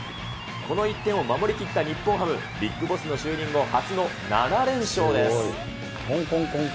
この１点を守り切った日本ハム、ＢＩＧＢＯＳＳの就任後初の７連勝です。